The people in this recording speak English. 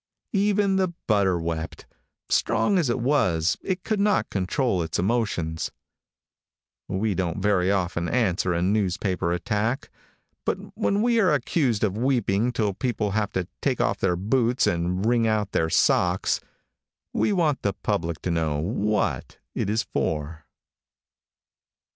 Even the butter wept. Strong as it was it could not control its emotions. We don't very often answer a newspaper attack, but when we are accused of weeping till people have to take off their boots and wring out their socks, we want the public to know what it is for.